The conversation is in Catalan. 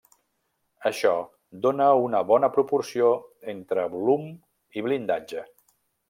Això dóna una bona proporció entre volum i blindatge.